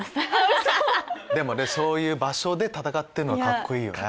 ウソ⁉でもそういう場所で戦ってるのはカッコいいよね。